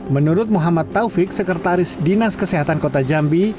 menurut muhammad taufik sekretaris dinas kesehatan kota jambi